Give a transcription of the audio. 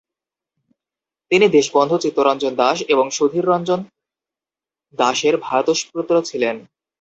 তিনি দেশবন্ধু চিত্তরঞ্জন দাশ এবং সুধীরঞ্জন দাশের ভ্রাতুষ্পুত্র ছিলেন।